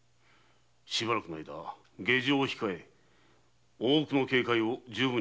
しばらくは下城を控え大奥の警戒を充分にいたせ。